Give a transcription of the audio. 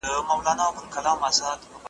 که نکان پرې کړو نو چټلي نه پاتیږي.